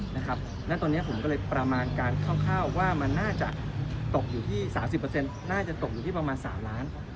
เพราะฉะนั้นตอนนี้ผมก็เลยประมาณการคร่าวว่ามันน่าจะตกอยู่ที่๓๐น่าจะตกอยู่ที่ประมาณ๓ล้าน